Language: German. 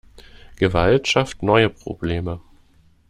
Gewalt schafft neue Probleme.